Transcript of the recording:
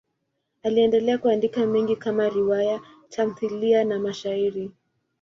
Aliendelea kuandika mengi kama riwaya, tamthiliya na mashairi.